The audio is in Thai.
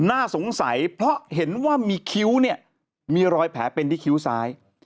่าสงสัยเพราะเห็นว่ามีรอยแผลเป็นได้ที่คิ้วซ้าย